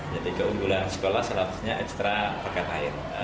jadi keunggulan sekolah seharusnya ekstra roket air